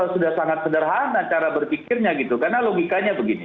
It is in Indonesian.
sudah sangat sederhana cara berpikirnya gitu karena logikanya begini